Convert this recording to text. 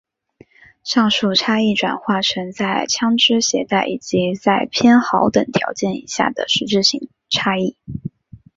上述差异转化成在枪枝携带以及在偏好等条件以下的实质性差异。